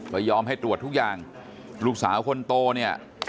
ก็ยอมให้ตรวจทุกอย่างลูกสาวคนโตเนี่ย